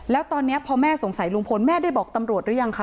แล้วตอนนี้พอแม่สงสัยลุงพลแม่ได้บอกตำรวจหรือยังคะ